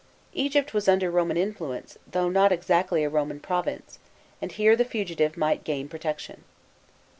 Egypt was under Roman influence, though not exactly a Roman province, and here the fugitive might gain pro tection.